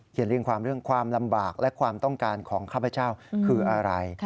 เรียงความเรื่องความลำบากและความต้องการของข้าพเจ้าคืออะไร